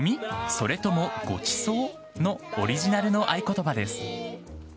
それともごちそう？のオリジナルの合言葉です。